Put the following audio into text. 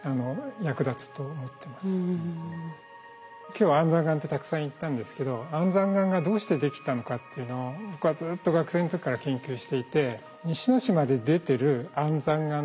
今日は安山岩ってたくさん言ったんですけど安山岩がどうしてできたのかっていうのを僕はずっと学生の時から研究していて。